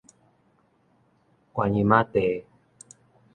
觀音仔地